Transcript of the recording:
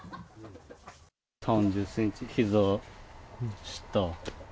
３０センチひざ下。